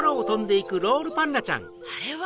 あれは。